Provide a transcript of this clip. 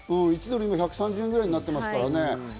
１ドル１３０円ぐらいになってますからね。